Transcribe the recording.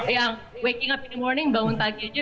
yang waking up in the morning bangun pagi aja